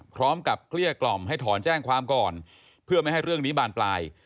เกลี้ยกล่อมให้ถอนแจ้งความก่อนเพื่อไม่ให้เรื่องนี้บานปลาย